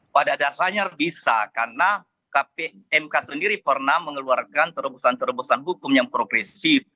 pada dasarnya bisa karena mk sendiri pernah mengeluarkan terobosan terobosan hukum yang progresif